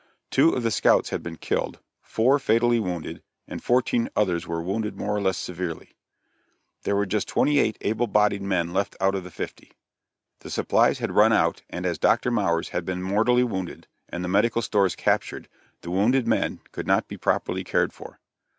Two of the scouts had been killed, four fatally wounded, and fourteen others were wounded more or less severely. There were just twenty eight able bodied men left out of the fifty. The supplies had run out, and as Dr. Mowers had been mortally wounded and the medical stores captured, the wounded men could not be properly cared for.